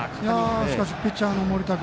しかしピッチャーの盛田君